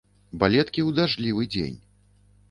Балеткі ў дажджлівы дзень.